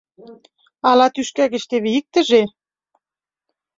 Ала тӱшка гыч теве иктыже?